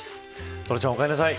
トラちゃん、お帰りなさい。